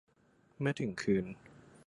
เมื่อถึงคืน